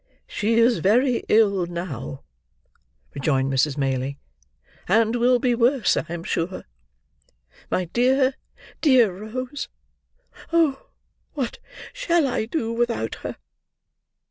"She is very ill now," rejoined Mrs. Maylies; "and will be worse, I am sure. My dear, dear Rose! Oh, what shall I do without her!"